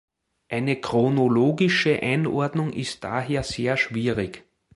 Eine chronologische Einordnung ist daher sehr schwierig.